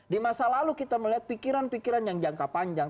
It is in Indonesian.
di masa lalu kita melihat pikiran pikiran yang jangka panjang